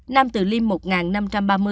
năm tự liêm một năm trăm ba mươi